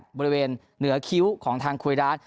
แผลแตกบริเวณเหนือคิ้วของทางคุยด้าน